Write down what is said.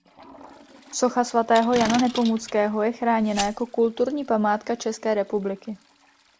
Socha svatého Jana Nepomuckého je chráněna jako kulturní památka České republiky.